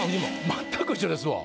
全く一緒ですわ。